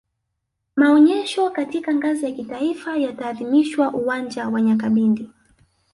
maonyesho katika ngazi ya kitaifa yataadhimishwa uwanja wa nyakabindi